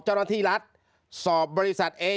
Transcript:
เจ้าหน้าที่แรงงานของไต้หวันบอก